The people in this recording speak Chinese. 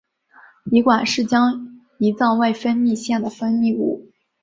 胰管是将胰脏外分泌腺的分泌物。